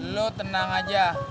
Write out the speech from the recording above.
lo tenang aja